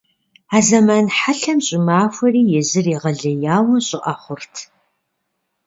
А зэман хьэлъэм щӀымахуэри езыр егъэлеяуэ щӀыӀэ хъурт.